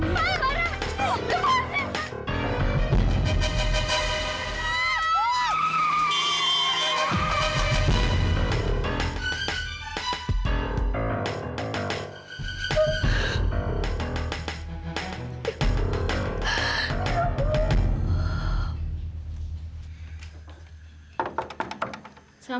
pak farah tolong